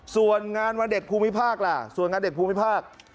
ส่วนงานวันเด็กภูมิภาคล่ะส่วนงานเด็กภูมิภาค